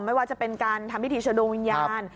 ไม่ว่าจะเป็นการทำพิธีเชิญดวงวิญญาณ